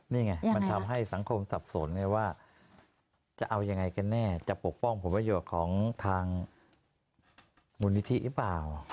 นี่ไงมันทำให้สังคมสับสนไงว่าจะเอายังไงกันแน่จะปกป้องผลประโยชน์ของทางมูลนิธิหรือเปล่า